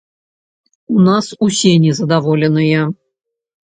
У нас усе незадаволеныя.